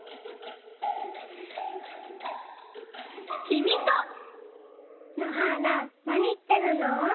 きみと！のはーななにいってるの？